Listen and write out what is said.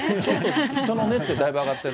人の熱でだいぶ上がってる。